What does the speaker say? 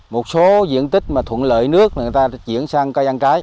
một số diện tích mà thuận lợi nước người ta chuyển sang cây ăn trái